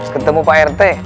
ketemu pak rt